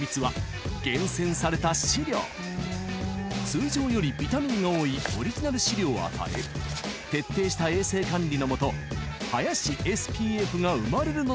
［通常よりビタミンが多いオリジナル飼料を与え徹底した衛生管理のもと林ＳＰＦが生まれるのだという］